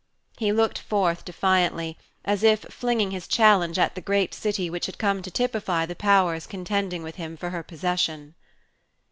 He looked forth defiantly, as if flinging his challenge at the great city which had come to typify the powers contending with him for her possession.